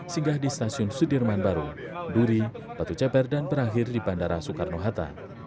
singgah di stasiun sudirman baru duri batu ceper dan berakhir di bandara soekarno hatta